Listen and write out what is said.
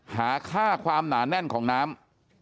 หาค่าความหนาแน่นของน้ำ